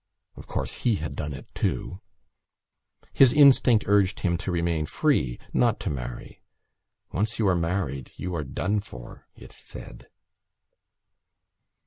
Of course he had done it too. His instinct urged him to remain free, not to marry. Once you are married you are done for, it said.